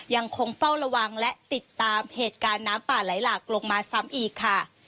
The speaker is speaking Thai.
ยังคงเฝ้าระวังและติดตามเหตุการณ์น้ำป่าไหลหลากลงมาซ้ำอีกค่ะ